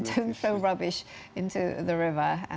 tapi juga memperbaiki diri kita sendiri